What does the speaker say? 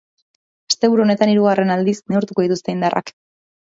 Asteburu honetan hirugarren aldiz neurtuko dituzte indarrak.